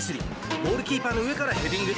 ゴールキーパーの上からヘディング。